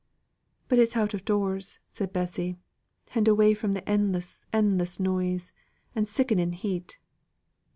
"But it's out of doors," said Bessy. "And away from the endless, endless noise, and sickening heat."